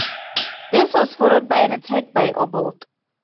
This was followed by an attack by Oblt.